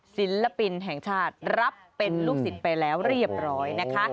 ศิลปินแห่งชาติรับเป็นลูกศิษย์ไปแล้วเรียบร้อยนะคะ